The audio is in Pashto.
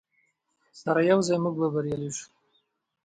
سره یوځای موږ به بریالي شو.